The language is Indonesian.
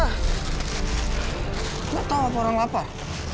hai atau orang lapar